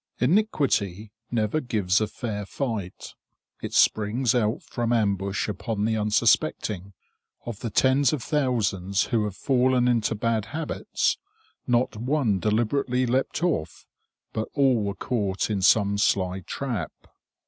Iniquity never gives a fair fight. It springs out from ambush upon the unsuspecting. Of the tens of thousands who have fallen into bad habits, not one deliberately leaped off, but all were caught in some sly trap.